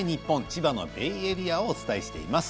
千葉のベイエリアをお伝えしています。